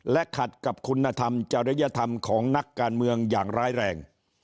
และขัดกับคุณธรรมจริยธรรมของนักการเมืองอย่างร้ายแรง